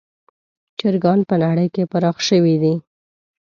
چرګان په نړۍ کې پراخ شوي دي.